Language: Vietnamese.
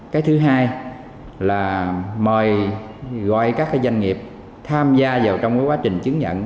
cái thứ hai là mời gọi các doanh nghiệp tham gia vào trong quá trình chứng nhận